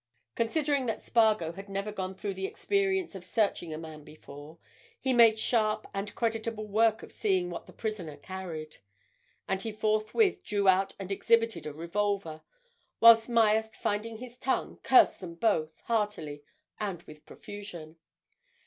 Considering that Spargo had never gone through the experience of searching a man before, he made sharp and creditable work of seeing what the prisoner carried. And he forthwith drew out and exhibited a revolver, while Myerst, finding his tongue, cursed them both, heartily and with profusion.